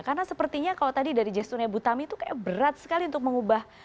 karena sepertinya kalau tadi dari gesturnya ibu tami itu kayak berat sekali untuk mengubah